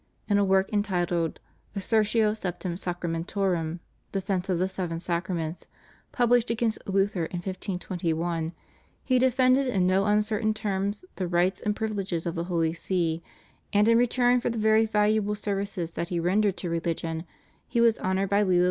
In a work entitled /Assertio Septem Sacramentorum/ (Defence of the Seven Sacraments) published against Luther in 1521, he defended in no uncertain terms the rights and privileges of the Holy See, and in return for the very valuable services that he rendered to religion he was honoured by Leo X.